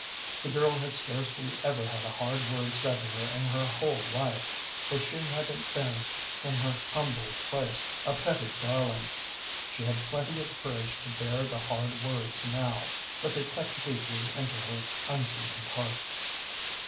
The girl had scarcely ever had a hard word said to her in her whole life, for she had been in her humble place a petted darling. She had plenty of courage to bear the hard words now, but they cut deeply into her unseasoned heart.